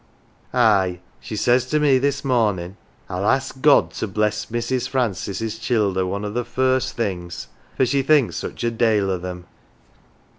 Aye, she says to me this mornin', ' I'll ask God to bless Mrs. Francis's childer' one o' the first things,' for she thinks such a dale o' them.